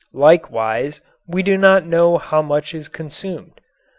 Likewise we do not know how much is consumed.